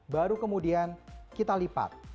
baru kemudian kita lipat